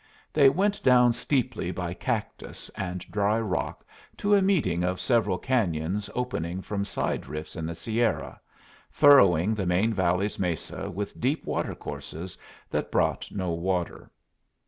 They went down steeply by cactus and dry rock to a meeting of several cañons opening from side rifts in the Sierra, furrowing the main valley's mesa with deep watercourses that brought no water.